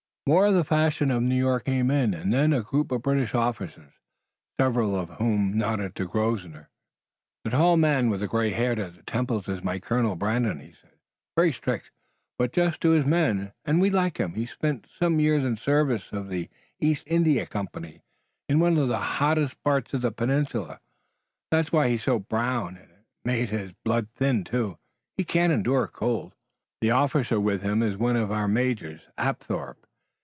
More of the fashion of New York came in and then a group of British officers, several of whom nodded to Grosvenor. "The tall man with the gray hair at the temples is my colonel, Brandon," he said. "Very strict, but just to his men, and we like him. He spent some years in the service of the East India Company, in one of the hottest parts of the peninsula. That's why he's so brown, and it made his blood thin, too. He can't endure cold. The officer with him is one of our majors, Apthorpe.